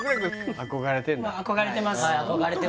憧れてます